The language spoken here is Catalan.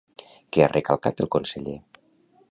Què ha recalcat el conseller?